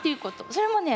それもね